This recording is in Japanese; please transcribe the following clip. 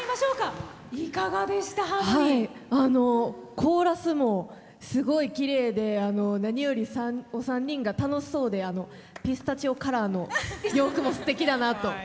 コーラスもすごいきれいで何よりお三人が楽しそうでピスタチオカラーの洋服もすてきだなと。